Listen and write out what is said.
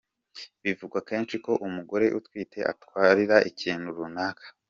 Bivugwa kenshi ko umugore utwite atwarira ikintu runaka.